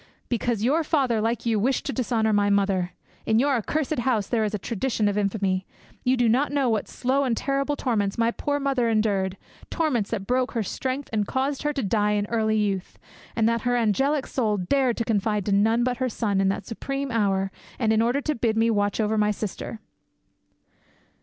Because your father, like you, wished to dishonour my mother. In your accursed house there is a tradition of infamy. You do not know what slow and terrible torments my poor mother endured torments that broke her strength and caused her to die in early youth, and that her angelic soul dared confide to none but her son in that supreme hour and in order to bid me watch over my sister."